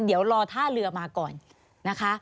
เดี๋ยวรอท่าเรือมาก่อนนะคะ